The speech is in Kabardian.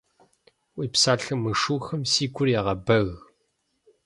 Уи псалъэ мышыухэм си гур ягъэбэг.